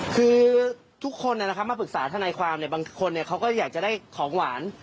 คือทุกคนนะครับมาปรึกษาธนายความเนี่ยบางคนเนี่ยเขาก็อยากจะได้ของหวาน